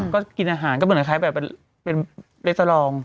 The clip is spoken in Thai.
ก็กินอาหารก็เหมือนคล้ายแบบเป็นเลสเตอรอง